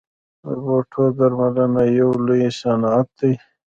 د بوټو درملنه یو لوی صنعت دی